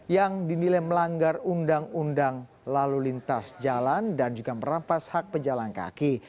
yang dinilai melanggar undang undang lalu lintas jalan dan juga merampas hak pejalan kaki